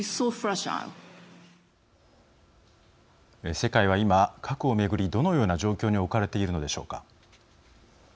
世界は今、核を巡りどのような状況に置かれているのでしょうか。